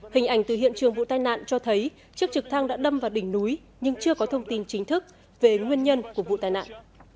hình ảnh từ hiện trường vụ tai nạn cho thấy chiếc trực thăng đã đâm vào đỉnh núi nhưng chưa có thông tin chính thức về nguyên nhân của vụ tai nạn